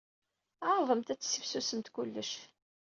Ɛerḍemt ad tessifsusemt kullec!